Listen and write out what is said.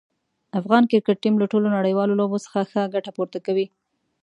افغان کرکټ ټیم له ټولو نړیوالو لوبو څخه ښه ګټه پورته کوي.